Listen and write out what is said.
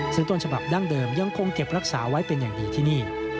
ซึ่งต้นฉบับดั้งเดิมยังคงเก็บรักษาไว้เป็นอย่างดีที่นี่